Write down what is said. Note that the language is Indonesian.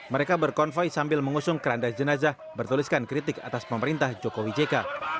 mereka berkonvoy sambil mengusung keranda jenazah bertuliskan kritik atas pemerintah jokowi jk